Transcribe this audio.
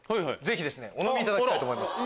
ぜひお飲みいただきたいと思います。